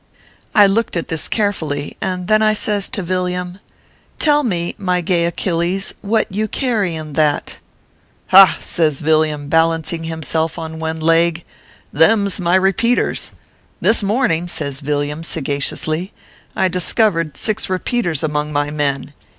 I looked at this carefully, and then says I to Vil liam :" Tell me, my gay Achilles, what you carry in that ?"" Ha !" says Villiam, balancing himself on one leg, " them s my Kepeaters. This morning/ says Villiam, sagaciously, " I discovered six Kepeaters among my men.